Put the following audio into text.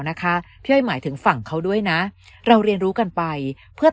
นะคะพี่อ้อยหมายถึงฝั่งเขาด้วยนะเราเรียนรู้กันไปเพื่อ